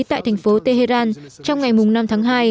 tại thành phố tehran trong ngày năm tháng hai